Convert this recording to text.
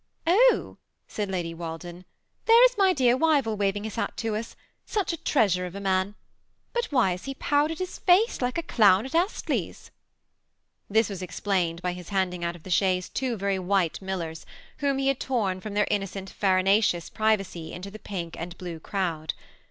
" Oh 1 " said Lady Walden, " there Is my dear Wyvill waving his hat tp us* Such a treasure of a man ! but why hi^ he pow.der^d his face like a clown at Astley's ?" This was explained by his handing out of the chaise two very white millers, whom he had torn from their innocent farinaceous privacy into the pink and blue crowd.